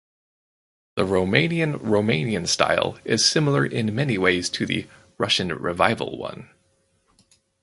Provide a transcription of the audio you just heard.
The Romanian Romanian style is similar in many ways to the Russian Revival one.